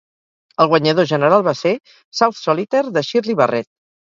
El guanyador general va ser "South Solitaire" de Shirley Barrett.